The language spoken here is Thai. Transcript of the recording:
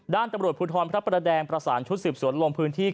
ด้านตำรวจภูทรพระประแดงประสานชุดสืบสวนลงพื้นที่